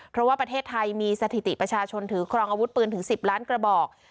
เพราะว่าประเทศไทยมีสถิติประชาชนถือครองอาวุธปืนถึง๑๐ล้านกระบอก